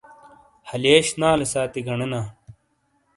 ہلیئیش نالے ساتی گنینا۔